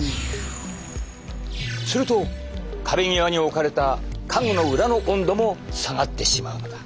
すると壁際に置かれた家具の裏の温度も下がってしまうのだ。